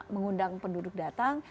mengundang penduduk datang